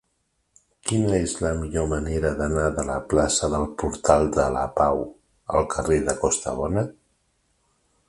Quina és la millor manera d'anar de la plaça del Portal de la Pau al carrer de Costabona?